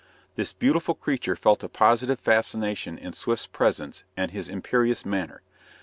This beautiful creature felt a positive fascination in Swift's presence and his imperious manner.